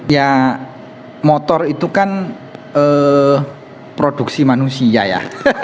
ya motor itu kan produksi manusia ya